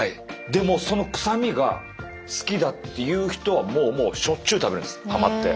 でもその臭みが好きだっていう人はもうしょっちゅう食べるんですハマって。